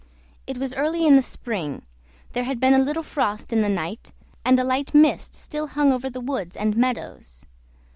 It was early in the spring; there had been a little frost in the night, and a light mist still hung over the woods and meadows.